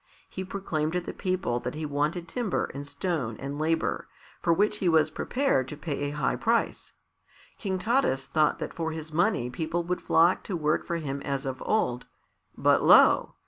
He proclaimed to the people that he wanted timber and stone and labour, for which he was prepared to pay a high price. King Taras thought that for his money people would flock to work for him as of old. But lo!